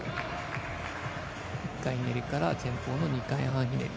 １回ひねりから前方の２回半ひねり。